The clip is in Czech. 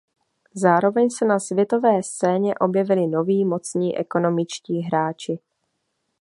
Zároveň se na světové scéně objevili noví mocní ekonomičtí hráči.